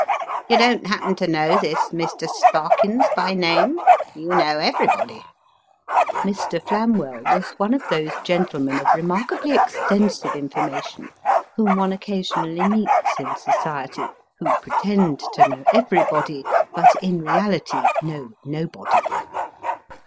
" You don't happen to know this Mr. Sparkins by name ? You know everybody ?" Mr. Flamwell is appealed to. 273 Mr. Flamwefl. was one of those gentlemen of remarkably extensive information whom one occasionally meets in society, who pretend to know everybody, but in reality know nobody.